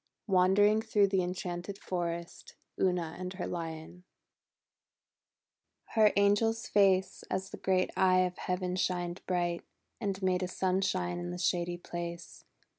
WANDERING THROUGH THE EN CHANTED FOREST UNA AND HER LION Her angel's face As the great eye of Heaven shined bright, And made a sunshine in the shady place.